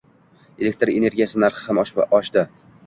Elektr energiyasi narxi ham oshdi